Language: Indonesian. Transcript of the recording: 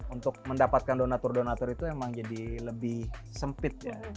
untuk mendapatkan donatur donatur itu emang jadi lebih sempit ya